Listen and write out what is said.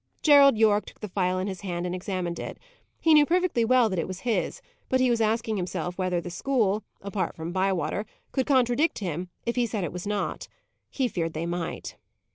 Gerald Yorke took the phial in his hand and examined it. He knew perfectly well that it was his, but he was asking himself whether the school, apart from Bywater, could contradict him, if he said it was not. He feared they might.